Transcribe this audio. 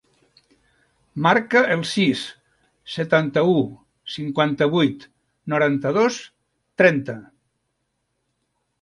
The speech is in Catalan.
Marca el sis, setanta-u, cinquanta-vuit, noranta-dos, trenta.